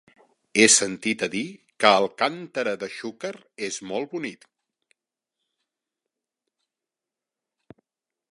He sentit a dir que Alcàntera de Xúquer és molt bonic.